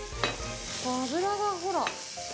脂がほら。